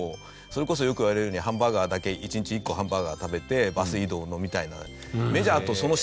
それこそよく言われるのはハンバーガーだけ１日１個ハンバーガー食べてバス移動のみたいな。